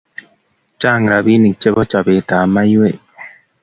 chang rapishek che po chape ab maiyek